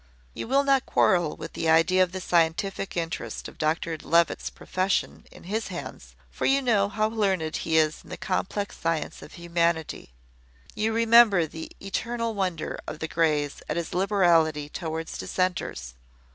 You will not quarrel with the idea of the scientific interest of Dr Levitt's profession in his hands; for you know how learned he is in the complex science of Humanity. You remember the eternal wonder of the Greys at his liberality towards dissenters.